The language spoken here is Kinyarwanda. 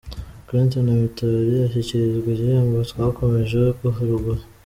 Clenton Mitali ashyikirizwa igihembo twakomojeho haruguru.